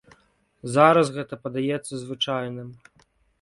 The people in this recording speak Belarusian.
Зараз гэта падаецца звычайным.